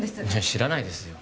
知らないですよ